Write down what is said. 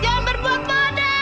jangan berbuat moda